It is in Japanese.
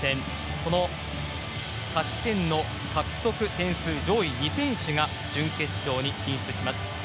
その勝ち点の獲得点数上位２選手が準決勝に進出します。